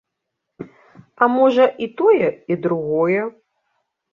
А можа, і тое, і другое.